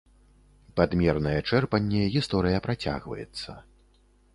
Пад мернае чэрпанне гісторыя працягваецца.